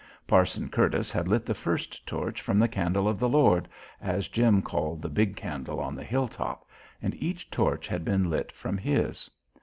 Parson Curtis had lit the first torch from the Candle of the Lord, as Jim called the big candle on the hill top, and each torch had been lit from his.